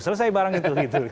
selesai barang itu